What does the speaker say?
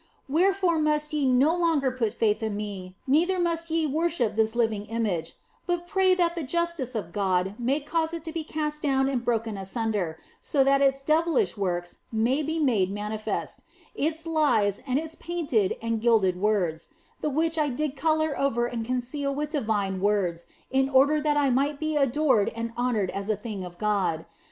Wherefore must ye no longer put faith in me, neither must ye worship this living image ; but pray that the justice of God may cause it to be cast down and broken asunder, so that its devilish works may be made manifest, its lies and its painted and gilded words, the which I did colour over and conceal with divine words in order that I might be adored and honoured as a thing of God.